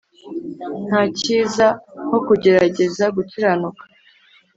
ntakiza nkokugerageza gukiranuka